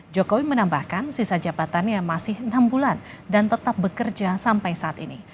jokowi menambahkan sisa jabatannya masih enam bulan dan tetap bekerja sampai saat ini